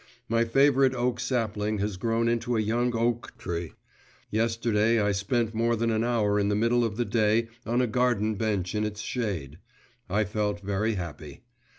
My favourite oak sapling has grown into a young oak tree. Yesterday I spent more than an hour in the middle of the day on a garden bench in its shade. I felt very happy.